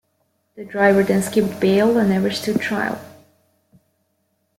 The driver then skipped bail and never stood trial.